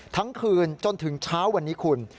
ทั้งคืนจนถึงเช้าวันนี้คุณ